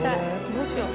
どうしよう。